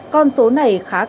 con số này khá là nhiều